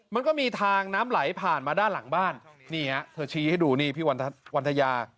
มันก็มีทางน้ำไหลผ่านมาด้านหลังบ้านนี่ฮะเธอชี้ให้ดูนี่พี่วันทยา